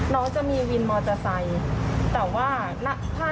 น้องจะมีวินมอเตอร์ไซค์แต่ว่าถ้า